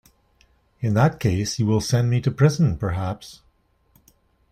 In that case you will send me to the prison, perhaps?